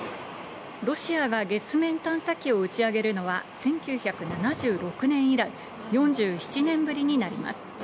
ロシアが月面探査機を打ち上げるのは１９７６年以来、４７年ぶりになります。